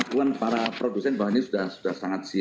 minyak goreng curah ini